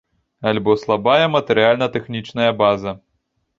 Альбо слабая матэрыяльна-тэхнічная база.